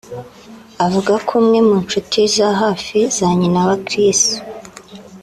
avuga ko umwe mu nshuti za hafi za nyina wa Chris